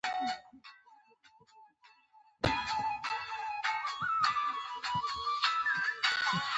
هره ورځ څلور ځلې لنډه دمه وکړئ.